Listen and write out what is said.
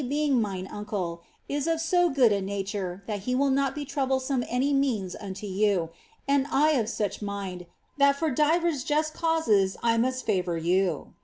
being mine ancle, is of so good a nature that he will not be troublesome any means unto yon, and I of such mind, that for divers just causes 1 must favour you.